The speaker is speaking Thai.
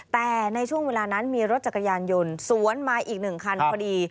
แต่ในช่วงเวลานั้นมีรถจักรยานยนต์สวนมาอีก๑คันพอดี